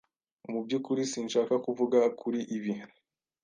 Mu byukuri sinshaka kuvuga kuri ibi.